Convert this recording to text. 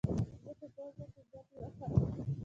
زه په پوزو کې ګوتې وهم.